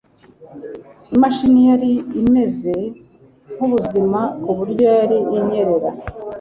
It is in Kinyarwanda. Imashini yari imeze nkubuzima ku buryo yari inyerera